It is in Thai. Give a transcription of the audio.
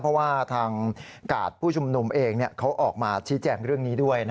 เพราะว่าทางกาดผู้ชุมนุมเองเขาออกมาชี้แจงเรื่องนี้ด้วย